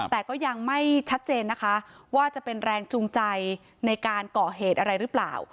แต่ก็ยังไม่ชัดเจนนะคะว่าจะเป็นแรงจูงใจในการก่อเหตุอะไรหรือเปล่า